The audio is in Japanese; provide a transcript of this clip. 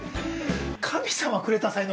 ◆神様がくれた才能